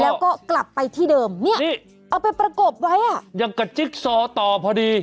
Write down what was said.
แล้วก็กลับไปที่เดิมเนี่ยนี่เอาไปประกบไว้อ่ะยังกระจิ๊กซอต่อพอดี